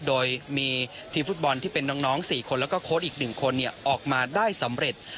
โดยมีทีมฟุตบอลที่เป็นน้อง๔คนแล้วก็โค้ดอีก๑คนออกมาได้สำเร็จ